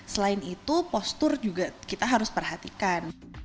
selain itu postur juga kita harus perhatikan